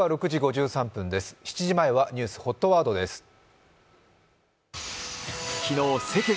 ７時前はニュースＨＯＴワードです。